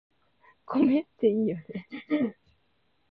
米っていいよね